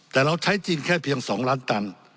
แต่เราใช้จริงแค่เพียง๒ล้านตัน